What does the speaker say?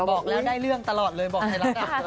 บอกแล้วได้เรื่องตลอดเลยบอกไทยรัฐ